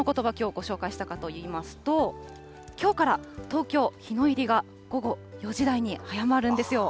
なんでこのことば、きょうご紹介したかといいますと、きょうから東京、日の入りが午後４時台に早まるんですよ。